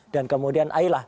dan kemudian ayolah